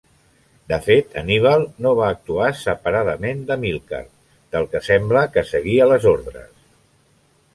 De fet Anníbal no va actuar separadament d'Amílcar del que sembla que seguia les ordres.